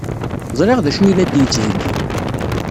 Ẓriɣ d acu ay la d-yettheyyi.